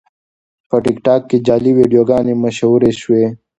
په ټیکټاک کې جعلي ویډیوګانې مشهورې شوې.